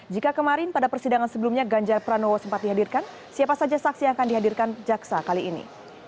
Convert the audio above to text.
jika kemarin pada persidangan sebelumnya ganjar pranowo sempat dihadirkan siapa saja saksi yang akan dihadirkan jaksa kali ini